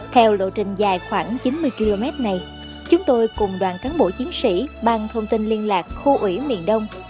theo lộ trình dài khoảng chín mươi km này chúng tôi cùng đoàn cán bộ chiến sĩ bang thông tin liên lạc khu ủy miền đông